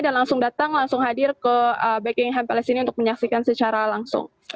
dan langsung datang langsung hadir ke bkm palace ini untuk menyaksikan secara langsung